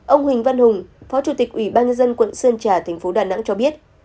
ông huỳnh văn hùng phó chủ tịch ủy ban nhân dân quận sơn trà thành phố đà nẵng cho biết